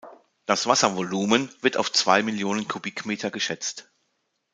Das Wasservolumen wird auf zwei Millionen Kubikmeter geschätzt.